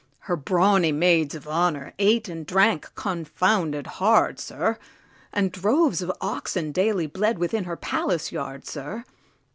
Her brawny maids of honour ate and drank confounded hard, sir, And droves of oxen daily bled within her palace yard, sir!